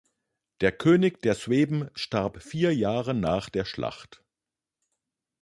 Der König der Sueben starb vier Jahre nach der Schlacht.